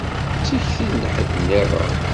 D tikti n ḥedd nniḍen?